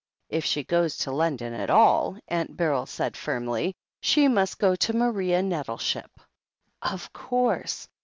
"If she goes to London at all," Aunt Beryl said firmly, "she must go to Maria Nettleship." Of course.